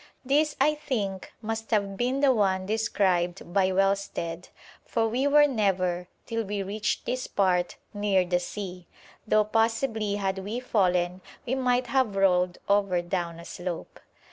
This I think must have been the one described by Wellsted, for we were never, till we reached this part, near the sea, though possibly had we fallen we might have rolled over down a slope.